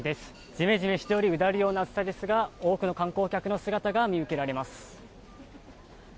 ジメジメしておりうだるような暑さですが多くの観光客の姿が見受けられます。